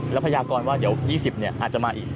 แล้วพยากรว่าเดี๋ยว๒๐อาจจะมาอีก